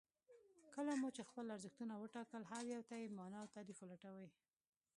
کله مو چې خپل ارزښتونه وټاکل هر يو ته يې مانا او تعريف ولټوئ.